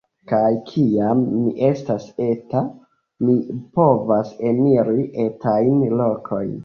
Kaj kiam mi estas eta, mi povas eniri etajn lokojn.